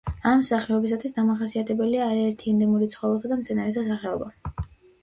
ამ ხეობისათვის დამახასიათებელია არაერთი ენდემური ცხოველთა და მცენარეთა სახეობა.